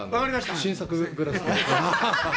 晋作グラス。